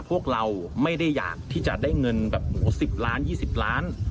พวกเราไม่ได้อยากที่จะได้เงิน๑๐๒๐ล้านบาท